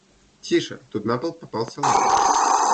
Тише, тут на пол попал салат!